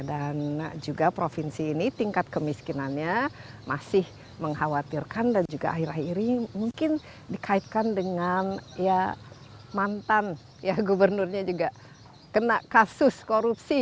juga provinsi ini tingkat kemiskinannya masih mengkhawatirkan dan juga akhir akhir ini mungkin dikaitkan dengan ya mantan ya gubernurnya juga kena kasus korupsi